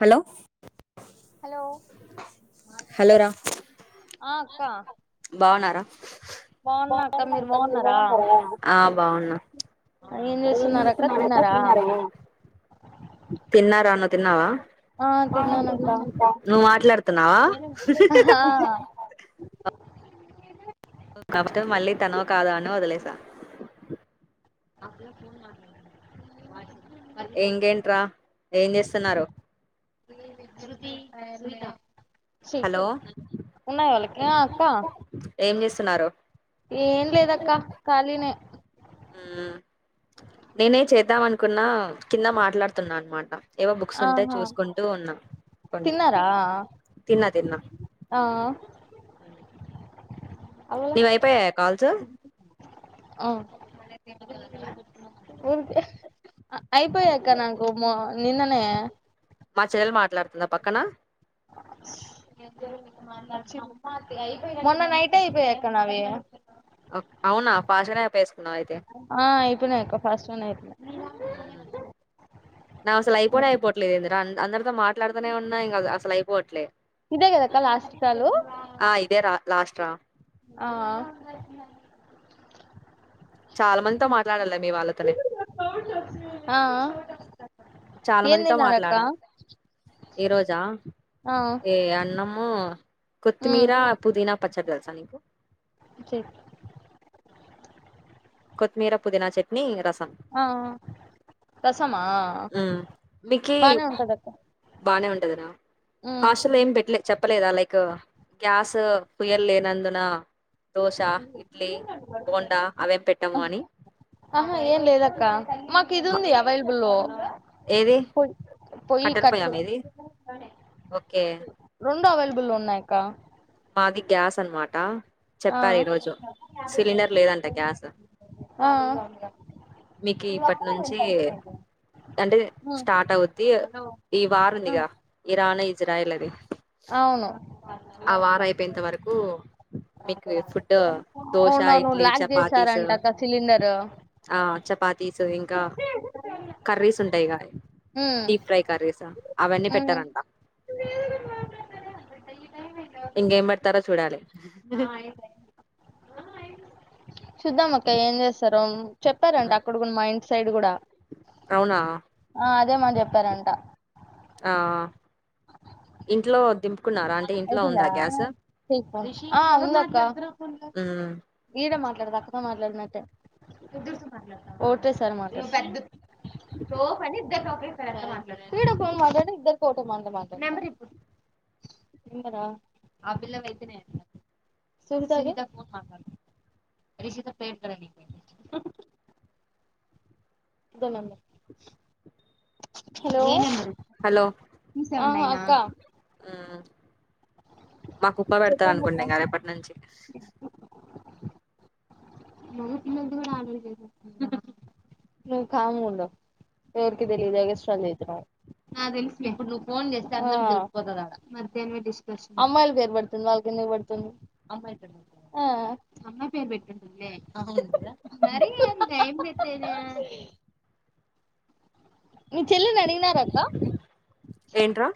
Hello hello hello రా ఆ అక్కా బాగున్నారా అక్క మీరు బాగున్నారా ఆ బాగున్న ఏం చేస్తున్నారు అక్క తిన్నారా తిన్నా రా నువ్ తిన్నావా ఆ తిన్నానక్క నువ్వు మాట్లాడుతున్నావా ఆహా ఒ కాప్ తో మళ్ళీ తనో కాద అని నవోదలేసా ఆ పిల్ల ఫోన్ మాట్లాడుతుంది వాట్స్ ఆప్ ఇం కేంట్రా ఏం చేస్తున్నారు శ్రీ విజ్రుత్తి స్మిత చి హలో ఉన్నాద వాళకే అక్కా ఉన్నారో ఏం లేదక్క ఖాళినే నేనే చేద్దాం అనుకున్నా కింద మాట్లాడుతున్నా అనమాట ఏవో బుక్స్ ఉంటే ఆహా చూసుకుంటూ ఉన్నాం కొన్ని తిన్నారా తిన్నా తిన్నా ఆ అవ్వల నీవయిపోయాయా కాల్స్ ఆ ఊర్ది అయిపోయాక్క నాకు నిన్ననే లాడుతుందా పక్కన [inaudible] [inaudible] మొన్న నైట్ అయిపోయాక్క నావి అవునా పాషనే వేసుకున్నావ అయితే ఆ అయిపోయినాయి అక్క ఫస్ట్ వన్ అయిపోయినాయి నాసలు ఐపోనేయిపోట్లేదందరా అ అందరితో మాట్లాడుతూనే ఉన్నాయి ఇంకా అసలు అయిపోవట్లే ఇదే కదక్క లాస్ట్ కాలు ఆ ఇదే రా లాస్ట్ రా ఆ [inaudible] చాలా మందితో మాట్లాడాలి మీ వాళ్ళతోనే ఆ ఆ చాలా ఏం మందితో తిన్నారక్క మాట్లాడం ఈ రోజా ఆ ఏ అన్నము కొత్తిమీర ఉమ్ పుదీనా పచ్చడిదల్సా చెప్ కొత్మీర పుదీనా చట్నీ రస ఆ మా హ్మ్ బానే ఉంటదక్క బాగానే ఉంటదనా ఉమ్ హాస్టల్లో ఏం పెట్లే చెప్ప చెప్పలేదా లైక్ గ్యాస్ ఫ్యూయల్ లేనందున దోశ ఇడ్లీ బోండా అవేం పెట్టాము అని ఆహా ఏం లేదక్క మాకు ఇది మ ఉంది అవైలబుల్లో ఏది కట్టెల పొయ్య మీది ఓకే రెండు అవైలబుల్ ఉన్నాయిక్క మాది గ్యాస్ అనమాట ఆ చెప్పారు ఈరోజు సిలిండర్ లేదంట గ్యాస్ ఆ మీకు ఇప్పటి నుంచి అంటే ఉమ్ స్టార్ట్ అవుద్ది ఈ వారు ఉమ్ ఉందిగా ఇరాన్ ఇజ్రాయిల్ అది అవును ఆ వారం అయిపోయినంత వరకు మీకు ఫుడ్ దోశ అవునవును ఇడ్లీ లాక్ చపాతీస్ చేసారంటక్క సిలిండర్ ఆ చపాతీసు ఇంకా కర్రీస్ ఉంటాయి కా ఉమ్ డీప్ ఫ్రై కర్రీస్ అవన్నీ ఉమ్ పెట్టారంట హ ఇంకేం పెడతారో చూడాలి ఇ హి చూద్దాం అక్క ఏం చేస్తారో చెప్పారంటే అక్కడ కూడా మా ఇండ్ సైడ్ కూడా అవునా ఆ అదేమని చెప్పారంట ఆ ఇంట్లో దింపు కున్నారా అంటే ఇంట్లో అయిపోయిందా ఉందా గ్యాస్ చెయ్ ఆ ఉందక్క మ్మ్ ఈడమా మాట్లానట్ట ఓకే సార్ మాట్ద్ద [unintelligible] ఫ్రీడ ఫోన్లు మాట్లాడితే ఇద్దరు పోద్ది [unintelligible] అంద మాత్ర మెరి ఇప్పు [unintelligible] నిమరా ఆ బిల్ల వయితేనే అ సురిత ఫోన్ రషిత పే ఇ న [unintelligible] హలో హలో ఆ అక్క ఉమ్ మాకుప్ప పెడతార చెప్పండి అక్క అనుకుంట గ రేపట్ నుంచి నువ్ కామ్ ఉండవు ఎవరికి తెలియద స్ట చేతున్నావు తెప్పుడు ఫో [unintelligible] అమ్మాయిల పేరు పెడుతుంది వాళ్ళ కింద పడుతుంది అమ్మాయిమ్ పేరు పెట్టున్ నరి ఎంత ఎంతే [unintelligible] ఏ [unintelligible] మీ చెల్లినడిగినారక్క ఏంట్రా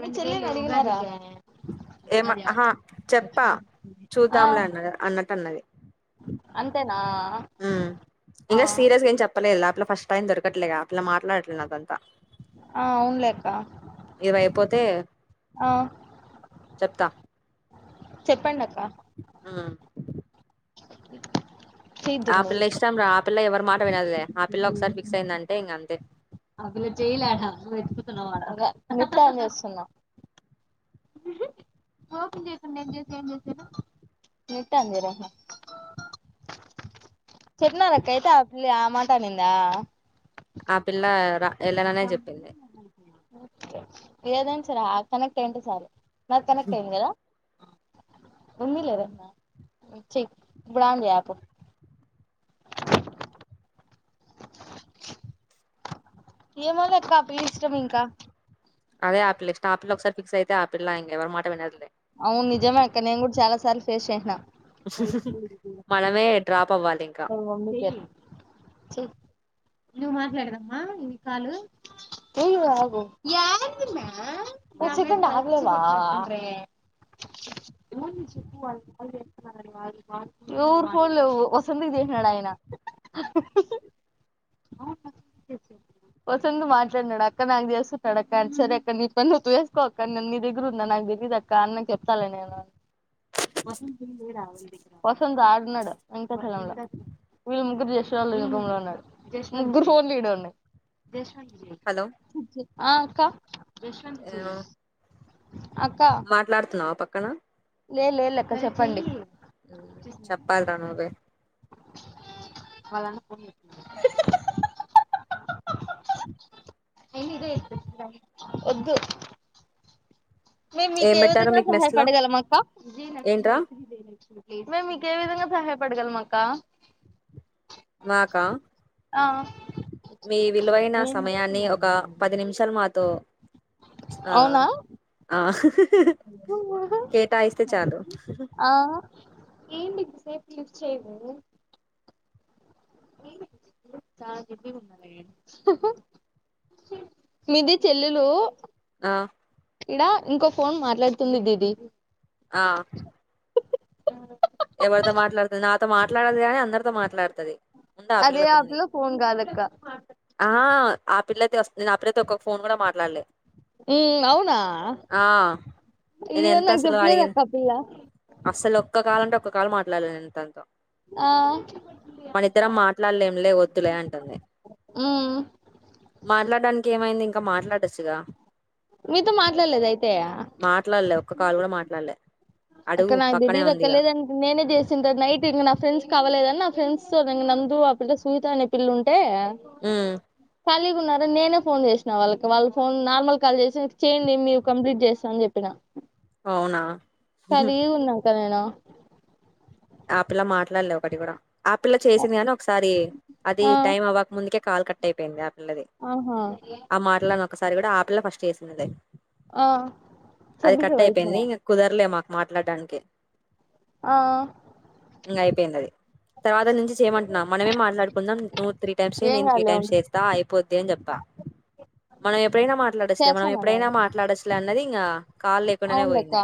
మి చెల్లినడిగినరా ఏమహా చెప్పా ఆ చూద్దాంలే అన్నది అన్నట్ అన్నది అంతేనా ఉమ్ ఆ ఇంక సీరియస్గా ఎం చెప్పల లెప్ ఫస్ట్ టైం దొరకట్లేగా ఆ పిల్ల మాట్లాట్లే నాకంత ఆ అవునులే అక్క ఇవైపోతే ఆ చెప్తా చెప్పండక్క ఆ ఆ పిల్ల ఇష్టం రా ఆ పిల్ల ఎవరు మాట్ అంతే అలా జలాడా వెతున్నా వాడం [unintelligible] నెట్ ఆన్ చేస్తున్నా, నెట్ ఆన్ చేయ్ రా చెప్పినారకైతే ఆ పిల్లె మాటనింద ఆ పిల్ల ర వస్తామనే అంటుంది ఏదైన సరె ఆ కనెక్ట్ అయింటే సారు నాదిర్ కనెక్ట్ అయింది కద ఉన్ని లేదంటన చేయ్ ఇప్పుడు ఆన్ చెయ్య పో ఏమో లెక్క ఆపిల్లిష్టం ఇంకా అదే ఆ పిల్ల ఇష్టం ఆ పిల్ల ఒకసారి ఫిక్స్ అయితే ఆ పిల్ల ఇంకా ఎవరు మాట వినదులే అవును నిజమే అక్క నేను కూడా చాలా సార్ ఫేస్ చేసిన మనమే డ్రాప్ అవ్వాలి ఇంకా చెప్ కొంచెపన్న ఆగలేవ ఎవరు ఫోన్లో వస్ వసంత్ కి చేసినడు ఆయన వసంత్ మాట్లాడనాడు అక్క నాకు చేస్తున్నాడక్క అని సరే అక్క నీ పని నువ్వు చేసుకో అక్క నేను నీ దగ్గరున్నా నాకు తెలీదు అక్క అన్న కి చెప్తాలే నేను వం త లే రావ వసంత్ ఆడున్నాడు వీళ్ళు ముగ్గురు జష్ వల్ల రూమ్లో ఉన్నారు ముగ్గురు ఫోన్లు ఈడే ఉన్నాయ్ హలో ఆ అక్క ఆ అక్క క్కన లేదు లేదు లెక్క చెప్పండి హ్మ్. చెప్పాలిరా నువ్వే వద్దు మేము మీకు ఏం ఏ పెట్టారు విధంగా మీకు మెస్ లో సహాయపడగలం అక్క ఏంట్రా మేము మీకు ఏ విధంగా సహాయపడగలమక్క మాకా మీ విలువైన సమయాన్ని ఒక పది నిమిషాలు మాతో ఆ అవునా ఆ కేటాయిస్తే చాలు ఏంటి ఎంతసేపు లిఫ్ట్ చేయవు [inaudible] చానా బిజీగా ఉన్నానే మీది చెల్లెలు ఆ ఈడా ఇంకో ఫోన్ మాట్లాడుతుంది దీది ఆ ఎవరితో మాట్లాడుతాది నాతో మాట్లాడది కాగానీ అందరితో మాట్లాడుతాది అదే ఆ పిల్ల పోన్ కాదు అక్క ఆ ఆ పిల్లయితే వస్తే ఆ నాతో ఒక్క ఫోన్ కూడా మాట్లాడలే ఉ అవునా ఆ నేను అయ్యో ఎంత నాకు అసలు చెప్పలేదు అడిగిన అక్క ఆ పిల్ల ఒక కాలు మాట్లాడలే తనతో ఆ మన ఇద్దరం మాట్లాడలేంలే వద్దులే అంటుంది ఉమ్ మాట్లాడడానికి ఏమైంది మాట్లాడ ఏసాత మీతో మాట్లాడలేదు అయితే ఒక కాలు కూడా మాట్లాడలే అడుగు అక్క నాకు పక్కనే తెలియదు అక్క ఉందిగా లేదు నేనే చేసింది నైట్ ఇంకా నా ఫ్రెండ్స్ కా అవ్వలేదని నా ఫ్రెండ్స్ నందు ఆ పిల్ల సుజిత అనే పిల్ల ఉంటే ఉమ్ [unintelligible] ఖాళీగా ఉన్నారు నేనే ఫోన్ చేసినా వాళ్ళకి వాళ్ళు ఫోన్ నార్మల్ కాల్ చేసికి చేయండి మీరు కంప్లీట్ చేస్తా అని చెప్పినా అవునా ఖాళీగే ఉన్న అక్క నేను ఆ పిల్లా మాట్లాడలే ఒకటి కూడా ఆ పిల్ల చేసింది గాని ఒకసారి అది ఆ టైమ్ అవ్వక ముందుకే కాల్ కట్ట అయిపోయింది పిల్లది ఆహా ఆ ఏమో మాట్లాని ఒకసారి కూడా ఆ పిల్ల ఫస్ట్ చేసిందిలే ఆ అది సబ్బిక కట్ వైష్ణవ అయిపోయింది ఇగ కుదరలే మాకు మాట్లాడడానికే ఆ ఇంగా అయిపోయింది అది తర్వాత నుంచి చేయమంటున్నా మనమే మాట్లాడుకుందాం నువ్వు త్రీ టైమ్స్ ఏం నేను త్రీ కాదులే టైమ్స్ ఉండు చేస్తా అయిపోది ఇంకా చెప్పా మనం ఎప్పుడైనా మాట్లాడచ్చులే మనం చేస్తాను నేను ఎప్పుడైనా మాట్లాడచ్చులే అన్నది ఇంగా కాలు లేకుండానే అవును లెక్క పోయింది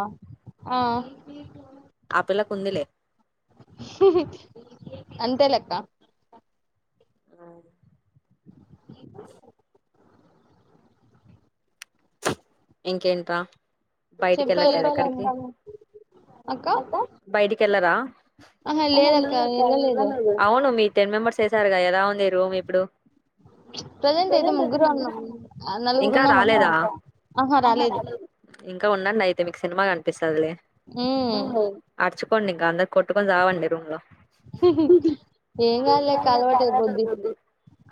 ఆ ఆ పిల్లకుందిలే అంతేలే అక్క ఔను ఇంకేంత బయటికి ఎళ్ళట్లేదా చెప్పాలక్క ఎక్కడికి అక్క బయటికెల్లరా ఆహా లేదక్క వెళ్ళలేదు అవును మీ టెన్ మెంబర్స్ ఏసార్గా ఎలా మీరు ఇప్పుడు ప్రజెంట్ అయితే ముగ్గురు ఉన్నాం నలుగురు ఇంకా ఉన్నాం అక్క రాలేదా ఆహ రాలేదు ఇంకా ఉండండి అయితే మీకు సినిమా కనిపిస్తదిలే ఉమ్ అచు పొన్ని క అంద్ కొట్టుకొని సావండి రూంలో ఏం కాదులే అక్క అలవాటు అయిపోద్ది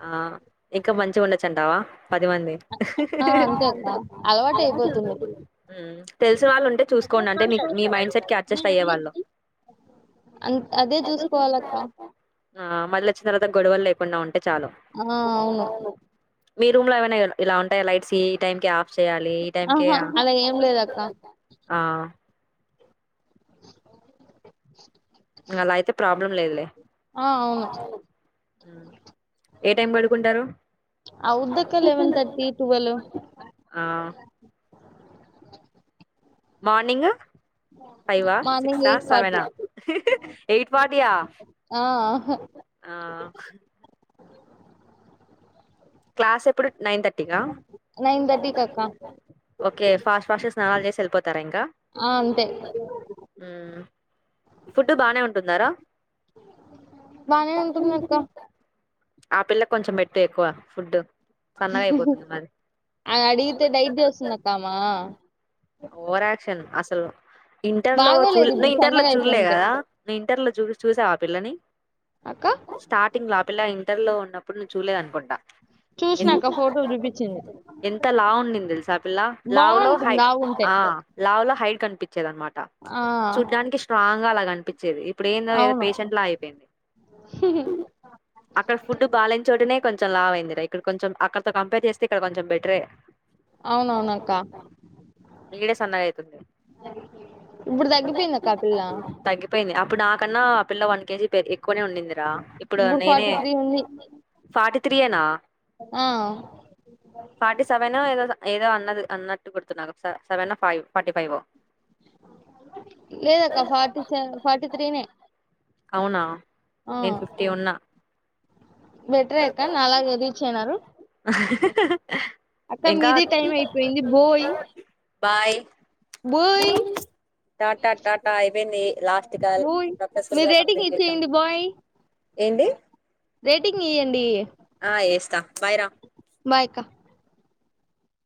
ఆ ఇక మంచిగ ఉండొచ్చంటావా పదిమంది ఆ! అంతే అక్క. అ అలవాటయిపోతుంది. తెల్స్ కొవాలంటే చూసుకోండి అంటే మీ మైండ్ సెట్ కి అడ్జస్ట్ అయేవాళ్ళు అన్ అదే చూసుకోవాలక్క. మల్లొచ్చినా తర్వాత గొడవలే కున్నా ఉం చాలు ఆ! అవును. మీ రూమ్ లో ఏమైనా ఇలా ఉంటాయా లైట్స్ ఈ టైం కి ఆఫ్ చేయా టె ఈ టైంకె ఆహా! అలా ఏం లేదక్క. ఆ బ్లం లేదులే ఆ! అవును. ఏ టైం పడుకుంటారు అవుద్దక్క ఆ మార్నీంగు ఫైవా మార్నింగ్ సిక్సా సెవెనా ఎయిట్ ఫటీయా ఆ! ఆ క్లాస్ ఎప్పుడ్ నైన్ థర్టీకా అక్క. ఓకే ఫాస్ట్ ఫాస్ట్ స్నానాల్ చేస్ ఎళ్పో తరంకా ఆ! అంతే. ఫుడ్ బానే ఉంటుందారా బానే ఉంటుందక్క. ఆ పిల్ల కొంచెం పెట్టు ఎక్కువ ఫుడ్ సన్నగా అయిపోతుంది మరి ఆమె అడిగితే డైట్ జేస్తుందక్క ఆమా. ఓవరాక్షన్ అసలు ఇంటర్లో బాగోలేదు చూల్ నె ఇప్పుడు ఇంటర్లొ చూల్ లే సన్నగయిపోయింటే. కదా [inaudible] ఇంటర్లో చూడూ చూసావా ఆ పిల్లని అక్క స్టార్టింగ్లా ఆపిల్లా ఇంటర్ లో ఉన్నపు అప్పుడు నువ్వు చూడలేదనుకుంటా. చూసినాక ఎంత్ ఫోటో జూపిచ్చింది. ఎంత లావు ఉండింది తెలుసా ఆ పిల్ల, లావు లో బావుంటుంది హై లావుంటే. ఆ లావు లో హైట్ కనిపిం చ్చెదనమాట ఆ! చూడ్డానికి ష్ స్ట్రాంగా అలా గనిపి చ్చేది ఇప్పుడు ఏందో ఏదో అవును. పేషెంట్ లా అయిపోయింది, అక్కడ ఫుడ్ బాలెనిచోటనే కొంచెం లావైయిందిరా, ఇక్కడ కొంచెం అక్కడతో కంపేర్ చేస్తే ఇక్కడ కొంచెం బెటరే. అవునవునక్క, ఈడే సన్నగా అయితుంది ఇప్పుడు తగ్గిపోయిందక్క ఆ పిల్ తగ్గిపోయింది అ ఇప్పుడు నాకన్నా ఆ పిల్ల వన్ కేజీ పెరిగి క్కువనే ఉండిందిరా, ఇప్పుడు నేనే ఫార్టీ త్రీ ఉంది ఫార్టీ త్రియెనా ఆ ఫార్టీ సెవెనో ఏదో ఏదో అన్నది అన్నట్టు గుర్తు నాకు, సె సెవెన్ ఫైవ్ ఫార్టీ ఫైవో. [inaudible] లేదక్క ఫార్టీ సే ఫార్టీ త్రీనే అవునా ఆ నేను ఫిఫ్టీ ఉన్నా. బెటరే అక్క నలాగ ఎదిచ్చినారు, అక్క ఇంకా మీది టైం అయిపోయింది bye. Bye bye Tata Tata అయిపోయింది లాస్ట్ కాల్, బోయ్ సక్సెస్ఫుల్ మీరు గా రేటింగ్ కంప్లీట్ చేసాం. ఇచ్చేయండి బాయ్ ఏంటి రేటింగ్ ఇయ్యండి ఆ ఏస్తా బైరా బయక్కా